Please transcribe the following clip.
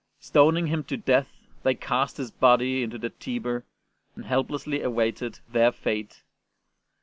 Ston ing him to death, they cast his body into the Tiber and helplessly awaited their fate.